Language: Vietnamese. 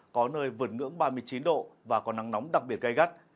có nơi vượt ngưỡng ba mươi chín độ và có nắng nóng đặc biệt gây gắt